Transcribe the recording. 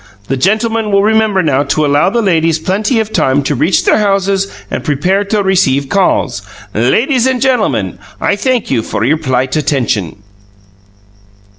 The gentlemen will remember now to allow the ladies plenty of time to reach their houses and prepare to receive calls. Ladies and gentlemen, I thank you for your polite attention."